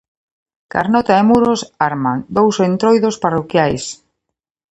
Carnota e Muros arman dous Entroidos parroquiais.